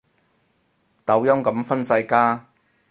抖音噉分晒家